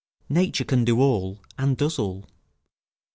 Nature can do all, and does all.